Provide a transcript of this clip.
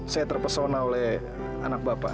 saya terpesona oleh anak bapak